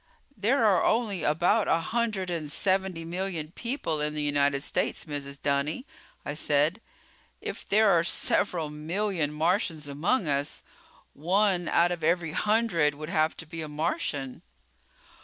"There are only about a hundred and seventy million people in the United States, Mrs. Dunny," I said. "If there are several million Martians among us, one out of every hundred would have to be a Martian."